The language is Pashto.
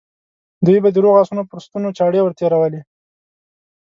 دوی به د روغو آسونو پر ستونو چاړې ور تېرولې.